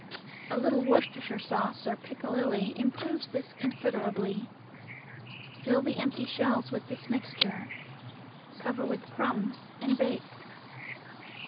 A little Worcestershire sauce or piccalilli improves this considerably. Fill the empty shells with this mixture. Cover with crumbs and bake.